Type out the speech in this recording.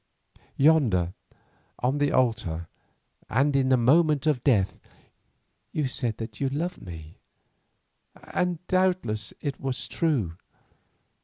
Yonder on the altar and in a moment of death you said that you loved me, and doubtless it was true.